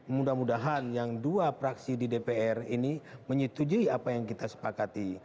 mudah mudahan yang dua praksi di dpr ini menyetujui apa yang kita sepakati